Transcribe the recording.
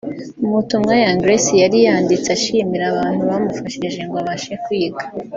Mu butumwa Young Grace yari yanditse ashimira abantu bamufashije ngo abashe kwiga